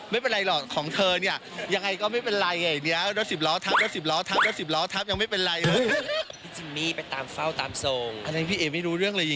ไม่เป็นไรหรอกของเธอ